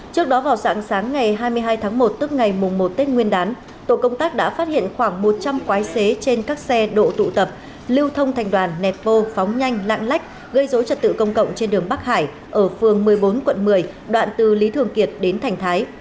trước đó vào dạng sáng ngày hai mươi hai tháng một tức ngày mùng một tết nguyên đán tổ công tác đã phát hiện khoảng một trăm linh quái xế trên các xe độ tụ tập lưu thông thành đoàn nẹp bô phóng nhanh lạng lách gây dối trật tự công cộng trên đường bắc hải ở phường một mươi bốn quận một mươi đoạn từ lý thường kiệt đến thành thái